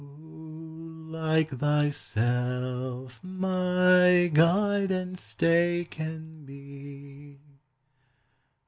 Who like thyself my guide and stay can be?